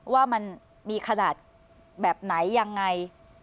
ว่ามันมีขนาดแบบไหนยังไง